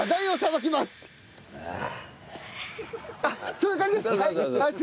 そういう感じです。